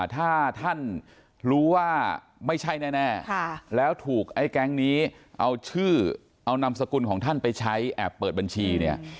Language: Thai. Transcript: ถ้าท่านรู้ว่าไม่ใช่แน่แล้วถูกไอ้แก๊งนี้เอาชื่อเอานามสกุลของท่านไปใช้แอบเปิดบัญชีเนี่ย